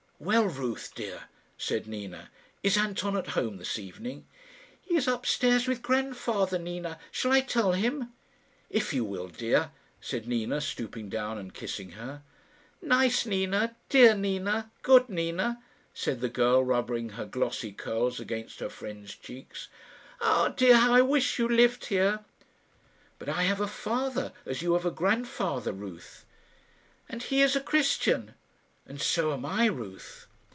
"Well, Ruth dear," said Nina, "is Anton at home this evening?" "He is up stairs with grandfather, Nina. Shall I tell him?" "If you will, dear," said Nina, stooping down and kissing her. "Nice Nina, dear Nina, good Nina," said the girl, rubbing her glossy curls against her friend's cheeks. "Ah, dear, how I wish you lived here!" "But I have a father, as you have a grandfather, Ruth." "And he is a Christian." "And so am I, Ruth."